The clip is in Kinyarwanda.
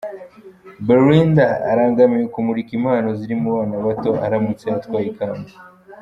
Belinda arangamiye kumurika impano ziri mu bana bato aramutse atwaye ikamba.